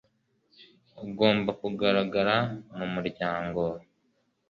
ugomba guhagarara mu muryango